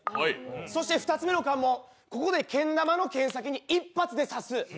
そして２つ目の関門、ここでけん玉のけん先に一発で差す。